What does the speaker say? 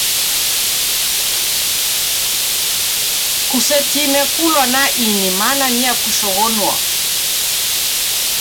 Kusetime kulwa na ini mana niakushoghonoa